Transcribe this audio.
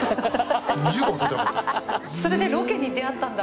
それでロケに出会ったんだ。